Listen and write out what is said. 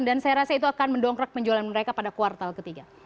dan saya rasa itu akan mendongkrak penjualan mereka pada kuartal ketiga